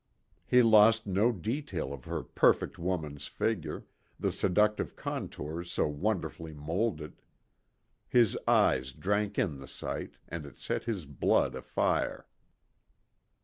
He lost no detail of her perfect woman's figure, the seductive contours so wonderfully moulded. His eyes drank in the sight, and it set his blood afire.